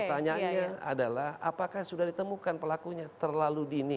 pertanyaannya adalah apakah sudah ditemukan pelakunya terlalu dini